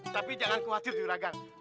tapi jangan khawatir seragam